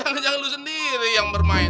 jangan jangan lu sendiri yang bermain